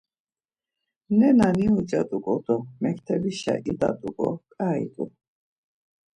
Nena niucat̆uǩo do mektebişe idat̆uǩo ǩai t̆u.